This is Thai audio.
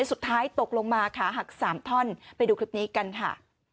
สุดท้ายตกลงมาขาหักสามท่อนไปดูคลิปนี้กันค่ะ